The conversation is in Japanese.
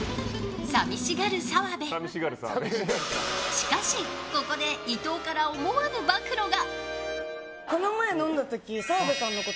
しかし、ここで伊藤から思わぬ暴露が。